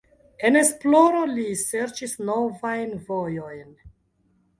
En la esploro li serĉis novajn vojojn.